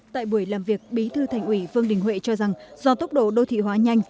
tại buổi làm việc bí thư thành ủy vương đình huệ cho rằng do tốc độ đô thị hóa nhanh